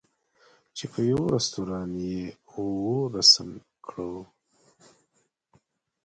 چې په یوه رستوران یې وو رسم کړو.